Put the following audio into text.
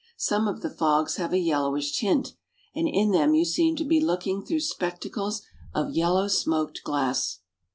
Some of the fogs have a yellowish tint, and in them you seem to be looking through spectacles of yellow smoked glass.